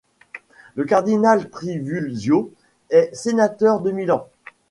Le cardinal Trivulzio est sénateur de Milan.